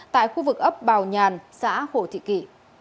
tại khu vực ấp bào nhàn xã hội thị kỳ